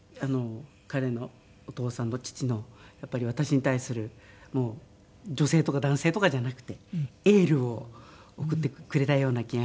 彼のお父さんの父のやっぱり私に対する女性とか男性とかじゃなくてエールを送ってくれたような気がして。